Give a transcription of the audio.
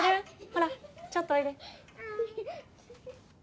ほらちょっとおいで。